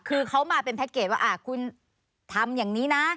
คือเขามาเป็นแพ็คเกจว่าคุณทำอย่างนี้นะ